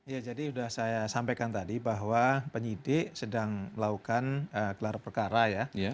ya jadi sudah saya sampaikan tadi bahwa penyidik sedang melakukan gelar perkara ya